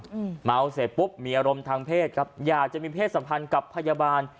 อืมเมาเสร็จปุ๊บมีอารมณ์ทางเพศครับอยากจะมีเพศสัมพันธ์กับพยาบาล